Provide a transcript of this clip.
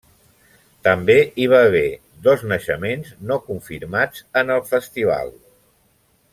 També hi va haver dos naixements no confirmats en el festival.